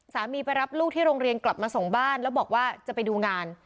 ไปรับลูกที่โรงเรียนกลับมาส่งบ้านแล้วบอกว่าจะไปดูงาน